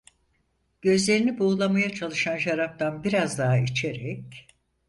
Gözlerini buğulamaya başlayan şaraptan biraz daha içerek: